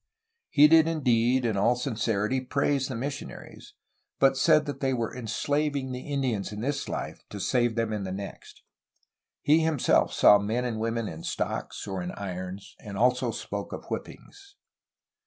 He did indeed in all sincerity praise the missionaries, but said that they were enslaving the Indians in this life, to save them in the next. He himself saw men and women in stocks or in irons, and also spoke of whippings.